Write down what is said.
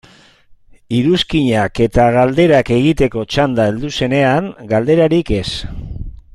Iruzkinak eta galderak egiteko txanda heldu zenean, galderarik ez.